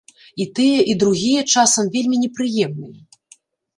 І тыя, і другія, часам, вельмі непрыемныя.